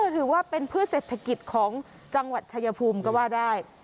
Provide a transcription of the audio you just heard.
หรือว่าเป็นพืชเศรษฐกิจของจังหวัดชายภูมิก็ว่าได้